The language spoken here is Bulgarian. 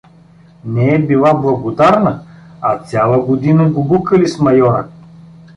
Не е била благодарна, а цяла година гугукали с майора!